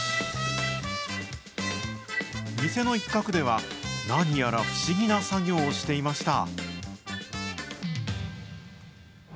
店の一角では、何やら不思議な作業をしていました。